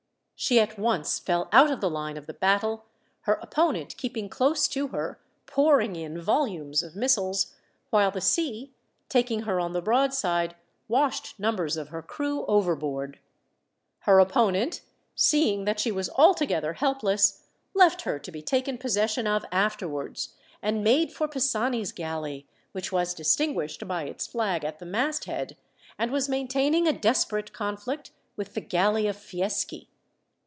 She at once fell out of the line of the battle, her opponent keeping close to her, pouring in volumes of missiles, while the sea, taking her on the broad side, washed numbers of her crew overboard. Her opponent, seeing that she was altogether helpless, left her to be taken possession of afterwards, and made for Pisani's galley, which was distinguished by its flag at the masthead, and was maintaining a desperate conflict with the galley of Fieschi.